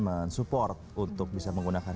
men support untuk bisa menggunakan